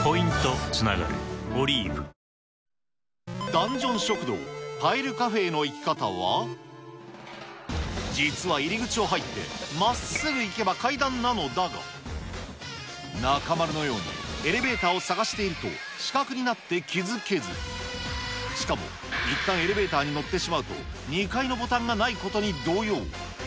ダンジョン食堂、パイルカフェへの行き方は、実は入り口を入ってまっすぐ行けば階段なのだが、中丸のようにエレベーターを探していると死角になって気付けず、しかも、いったんエレベーターに乗ってしまうと、２階のボタンがないことに動揺。